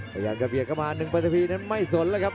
พยายามกับเหยียกข้างมาหนึ่งประถัพรีนั้นไม่สนแล้วครับ